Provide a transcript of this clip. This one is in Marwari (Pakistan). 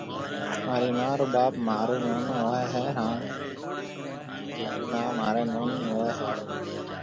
مهارِي مان رو ٻاپ مهارو نونو هوئيَ هيَ هانَ مان رِي مان مهارِي نونِي هوئيَ هيَ۔